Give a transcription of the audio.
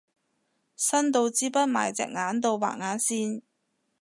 伸到支筆埋隻眼度畫眼線